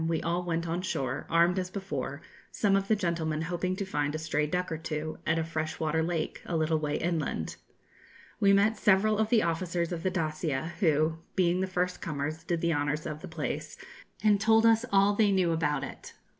we all went on shore, armed as before, some of the gentlemen hoping to find a stray duck or two, at a fresh water lake, a little way inland. We met several of the officers of the 'Dacia,' who, being the first comers, did the honours of the place, and told us all they knew about it.